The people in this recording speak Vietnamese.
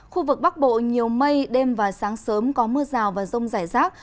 khu vực bắc bộ nhiều mây đêm và sáng sớm có mưa rào và rông rải rác